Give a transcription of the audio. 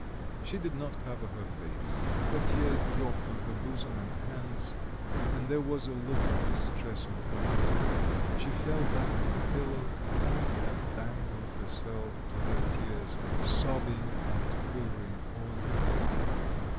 She did not cover her face; her tears dropped on her bosom and hands, and there was a look of distress on her face. She fell back on the pillow, and abandoned herself to her tears, sobbing and quivering all over.